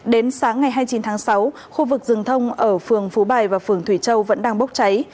đến sáng ngày hai mươi chín tháng sáu khu vực rừng thông ở phường phú bài và phường thủy châu vẫn đang bốc cháy